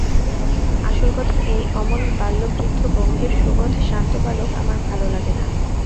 আসল কথা এই, অমন বাল্যবৃদ্ধ গম্ভীর সুবোধ শান্ত বালক আমার ভালো লাগে না।